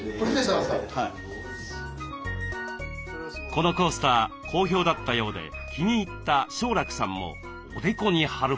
このコースター好評だったようで気に入った正楽さんもおでこに貼るほど。